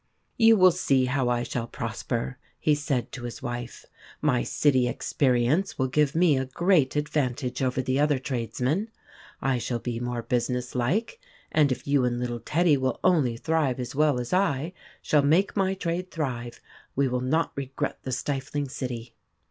" You will see how I shall prosper," he said to his wife. " My city experience will give me a great advantage over the other trades men. I shall be more businesslike, and if you and little Teddy will only thrive as well as I shall make my trade thrive, we will not regret the stifling city."